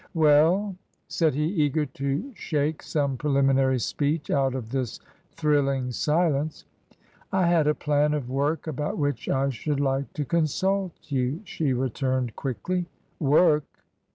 "Well?" said he, eager to shake some preliminary speech out of this thrilling silence. " I had a plan of work about which I should like to consult you," she returned, quickly. "Work!"